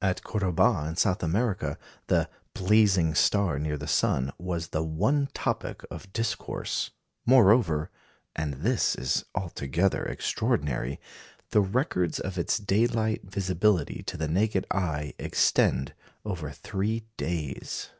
At Cordoba, in South America, the "blazing star near the sun" was the one topic of discourse. Moreover and this is altogether extraordinary the records of its daylight visibility to the naked eye extend over three days.